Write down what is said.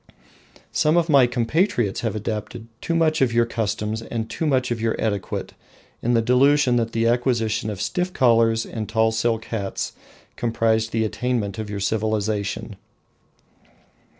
Some of my compatriots have adopted too much of your customs and too much of your etiquette, in the delusion that the acquisition of stiff collars and tall silk hats comprised the attainment of your civilisation.